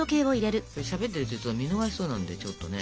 しゃべってると見逃しそうなんでちょっとね。